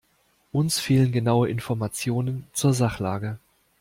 Uns fehlen genaue Informationen zur Sachlage.